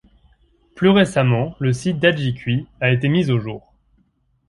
Plus récemment, le site d'Adji-kui a été mis au jour.